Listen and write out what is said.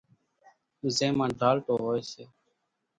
زين مان ڍالٽو ھوئي سي،